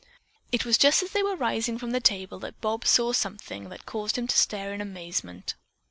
It was just as they were rising from the table that Bob saw something. that caused him to stare in amazement.